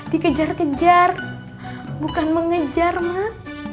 dikejar kejar bukan mengejar mah